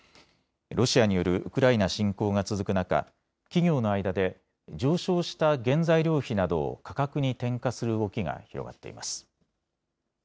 ロシアによるウクライナ侵攻が続く中、企業の間で上昇した原材料費などを価格に転嫁する動きが広がっています。